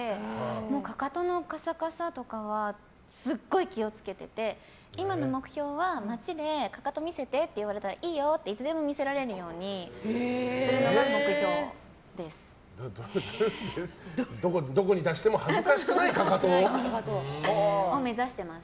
かかとのカサカサとかはすっごい気を付けてて今の目標は街でかかと見せてって言われたらいいよっていつでも見せられるようにするのがどこに出しても恥ずかしくない目指してます。